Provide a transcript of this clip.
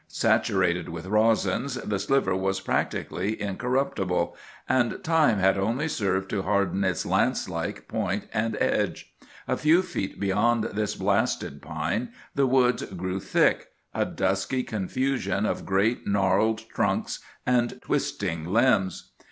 Saturated with resins, the sliver was practically incorruptible; and time had only served to harden its lance like point and edge. A few feet beyond this blasted pine the woods grew thick,—a dusky confusion of great gnarled trunks and twisting limbs.